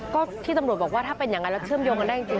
ก็ที่ตำรวจบอกว่าถ้าเป็นอย่างนั้นแล้วเชื่อมโยงกันได้จริง